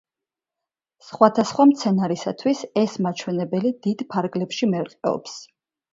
სხვადასხვა მცენარისათვის ეს მაჩვენებელი დიდ ფარგლებში მერყეობს.